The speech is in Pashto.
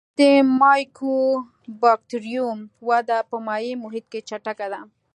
د مایکوبکټریوم وده په مایع محیط کې چټکه ده.